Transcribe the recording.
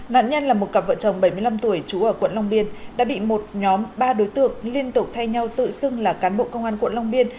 nạn nhân là một cặp vợ chồng bảy mươi năm tuổi trú ở quận long biên đã bị một nhóm ba đối tượng liên tục thay nhau tự xưng là cán bộ công an quận long biên